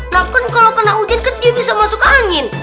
nah kan kalau kena hujan kan dia bisa masuk angin